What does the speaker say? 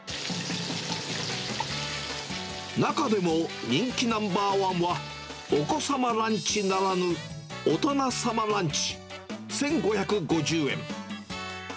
中でも人気ナンバー１は、お子様ランチならぬ、大人様ランチ１５５０円。